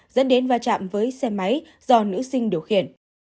dẫn đến va chạm với xe máy do nữ sinh điều khiển